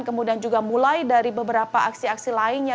kemudian juga mulai dari beberapa aksi aksi lainnya